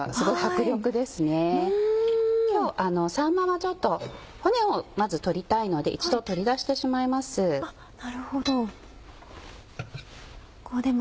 今日さんまはちょっと骨をまず取りたいので一度取り出してしまいます。